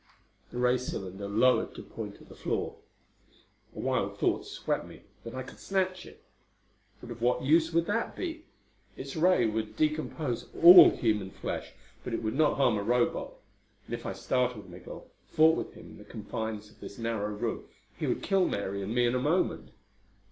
The ray cylinder lowered to point at the floor. A wild thought swept me that I could snatch it. But of what use would that be? Its ray would decompose all human flesh, but it would not harm a Robot; and if I startled Migul, fought with him in the confines of this narrow room, he would kill Mary and me in a moment.